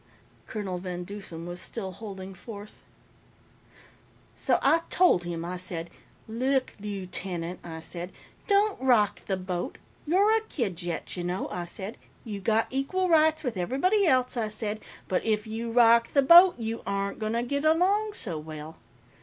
Colonel VanDeusen was still holding forth. "... So I told him. I said, 'Look, Lootenant,' I said, 'don't rock the boat. You're a kid yet, you know,' I said. 'You got equal rights with everybody else,' I said, 'but if you rock the boat, you aren't gonna get along so well.'